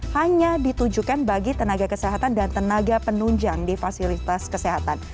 hanya ditujukan bagi tenaga kesehatan dan tenaga penunjang di fasilitas kesehatan